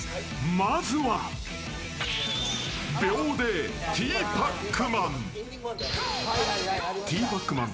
まずは、秒でティーパックマン。